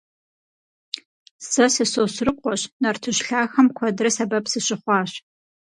Сэ сы-Сосрыкъуэщ; нартыжь лъахэм куэдрэ сэбэп сыщыхъуащ.